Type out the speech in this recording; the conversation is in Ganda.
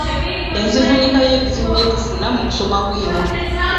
Enzivuunuka y'ebizibu bye tufuna mu kusoma bwino.